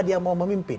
dia mau memimpin